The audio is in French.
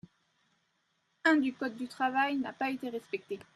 un du code du travail n’a pas été respecté.